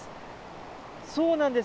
そうなんです。